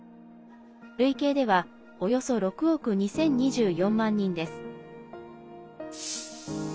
累計ではおよそ６億２０２４万人です。